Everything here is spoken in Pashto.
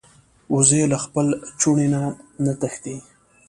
وزې له خپل چوڼي نه نه تښتي